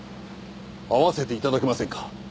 会わせて頂けませんか？